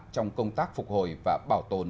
trong công tác phục hồi và bảo tồn